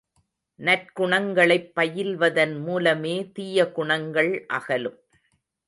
நற்குணங்களைப் பயில்வதன் மூலமே தீய குணங்கள் அகலும்.